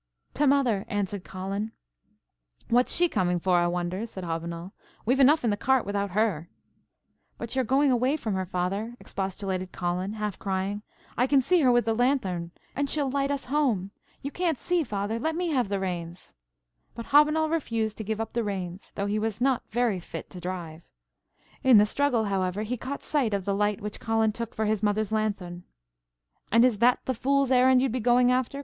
"T' mother," answered Colin. "What's she coming for, I wonder," said Hobbinoll; "we've enough in the cart without her." "But you're going away from her, father," expostulated Colin, half crying. "I see her with the lanthorn, and she'll light us home. You can't see, father; let me have the reins." But Hobbinoll refused to give up the reins, though he was not very fit to drive. In the struggle, however, he caught sight of the light which Colin took for his mother's lanthorn. "And is that the fool's errand you'd be going after?"